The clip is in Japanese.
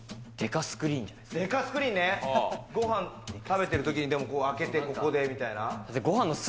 デカスクリーご飯食べてるときに開けて、ここでみたいな。